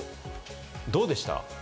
どうでした？